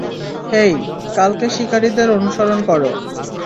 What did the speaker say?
হেই, কালকে শিকারীদের অনুসরণ করো।